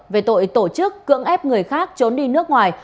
về tội tổ chức cưỡng ép người khác trốn đi nước ngoài